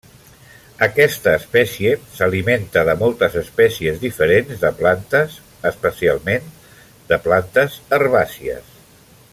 Aquesta espècie s'alimenta de moltes espècies diferents de plantes, especialment de plantes herbàcies.